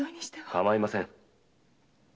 構いません。